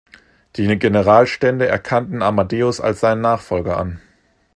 Die Generalstände erkannten Amadeus als seinen Nachfolger an.